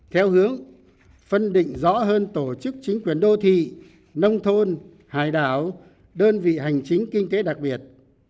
theo hướng phân định rõ hơn tổ chức chính quyền đô thị nông thôn hải đảo đơn vị hành chính kinh tế đặc biệt